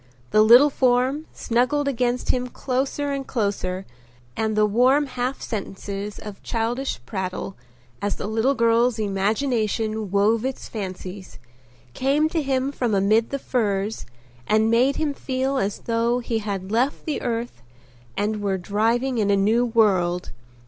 The little form snuggled against him closer and closer and the warm half sentences of childish prattle, as the little girl's imagination wove its fancies, came to him from amid the furs and made him feel as though he had left the earth and were driving in a new world.